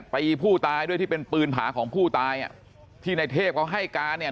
ตีผู้ตายด้วยที่เป็นปืนผาของผู้ตายอ่ะที่ในเทพเขาให้การเนี่ย